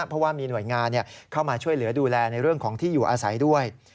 เพราะว่ามีหน่วยงานเข้ามาช่วยเหลือดูแลในเรื่องของที่อยู่อาศัยด้วย